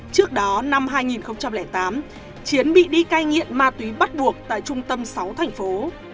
trước đó năm hai nghìn tám chiến bị đi cai nghiện ma túy bắt buộc tại trung tâm sáu thành phố